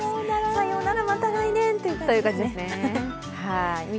さようなら、また来年という感じですね。